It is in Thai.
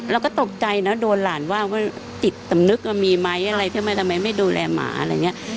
เราก็ตกใจนะโดนหลานว่าว่าจิตสำนึกว่ามีไหมอะไรทำไมทำไมไม่ดูแลหมาอะไรอย่างนี้